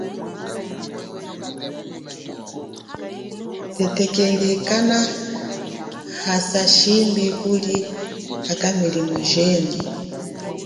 Thetekeli kanahana shimbi kuli akwa miliye jenyi.